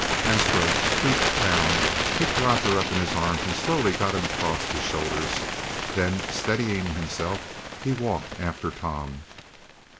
Astro stooped down, picked Roger up in his arms and slowly got him across his shoulders. Then steadying himself, he walked after Tom.